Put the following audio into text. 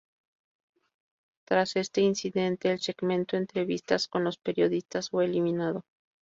Tras este incidente el segmento entrevistas con los periodistas fue eliminado.